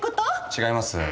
違います。